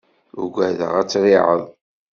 Ugadeɣ ad triεeḍ.